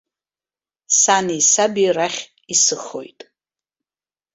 Сани саби рахь исыхоит.